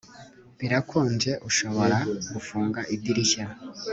Birakonje Urashobora gufunga idirishya